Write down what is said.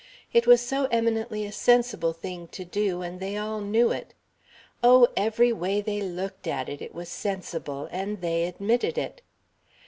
It was so eminently a sensible thing to do, and they all knew it. Oh, every way they looked at it, it was sensible, and they admitted it.